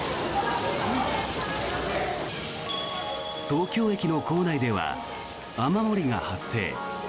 東京駅の構内では雨漏りが発生。